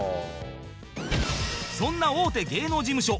そんな大手芸能事務所